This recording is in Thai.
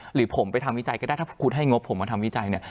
หรือผมไปทำวิจัยก็ได้ถ้าคุณให้งบผมมาทำวิจัยเนี่ย